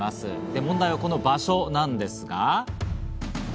問題はこの場所なんですが。